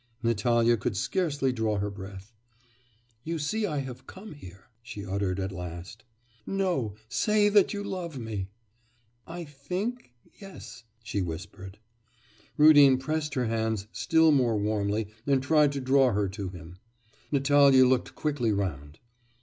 Natalya could scarcely draw her breath. 'You see I have come here,' she uttered, at last. 'No, say that you love me!' 'I think yes,' she whispered. Rudin pressed her hands still more warmly, and tried to draw her to him. Natalya looked quickly round.